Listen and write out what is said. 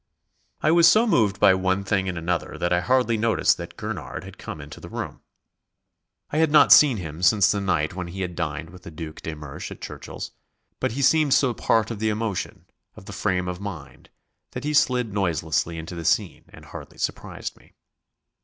I was so moved by one thing and another that I hardly noticed that Gurnard had come into the room. I had not seen him since the night when he had dined with the Duc de Mersch at Churchill's, but he seemed so part of the emotion, of the frame of mind, that he slid noiselessly into the scene and hardly surprised me.